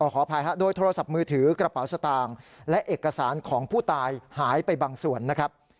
ขออภัยครับโดยโทรศัพท์มือถือกระเป๋าสตางค์และเอกสารของผู้ตายหายไปบางส่วนนะครับ